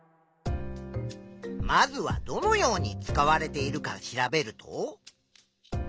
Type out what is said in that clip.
まずはどのように使われているか調べると？